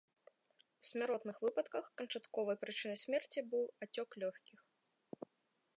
У смяротных выпадках канчатковай прычынай смерці быў ацёк лёгкіх.